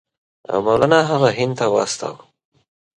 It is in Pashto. او مولنا هغه هند ته واستاوه.